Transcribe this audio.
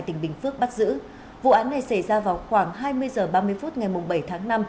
tỉnh bình phước bắt giữ vụ án này xảy ra vào khoảng hai mươi h ba mươi phút ngày bảy tháng năm